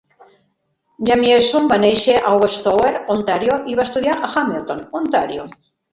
Jamieson va néixer a Westover (Ontàrio) i va estudiar a Hamilton (Ontàrio).